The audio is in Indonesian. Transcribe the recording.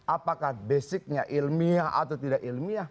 apakah basicnya ilmiah atau tidak ilmiah